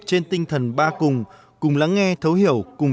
trên tinh thần ba cùng cùng lắng nghe thấu hiểu cùng